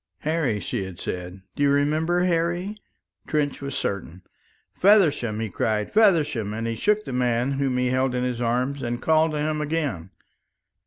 "Harry," she had said. "Do you remember, Harry?" Trench was certain. "Feversham!" he cried. "Feversham!" And he shook the man whom he held in his arms and called to him again.